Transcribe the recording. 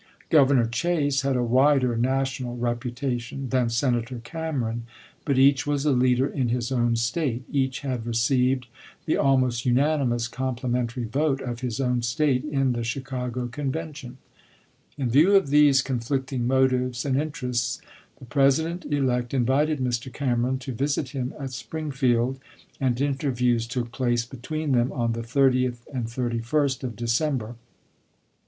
Gov ernor Chase had a wider national reputation than Senator Cameron, but each was a leader in his own State, each had received the almost unanimous complimentary vote of his own State in the Chi cago Convention. In view of these conflicting motives and inter ests, the President elect invited Mr. Cameron to visit him at Springfield, and interviews took place between them on the 30th and 31st of December.